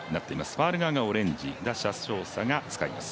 ファウル側がオレンジ、打者走者が使います。